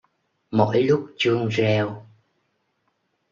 Mỗi lúc chuông reo